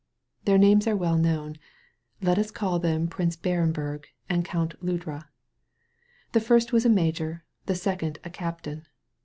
Their names are well known. Let us call them Prince Barenberg and Count Ludra. The first was a major, the second a captain.